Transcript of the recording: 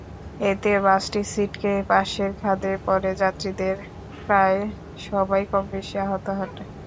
এতে বাসটি ছিটকে পাশের খাদে পড়ে যাত্রীদের প্রায় সবাই কমবেশি আহত হন।